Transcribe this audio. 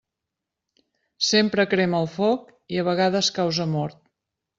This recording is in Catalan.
Sempre crema el foc i a vegades causa mort.